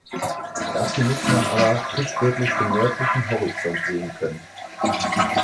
Dafür muss man aber sprichwörtlich den nördlichen Horizont sehen können.